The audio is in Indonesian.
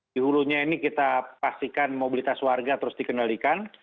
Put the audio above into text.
di hulunya ini kita pastikan mobilitas warga terus dikendalikan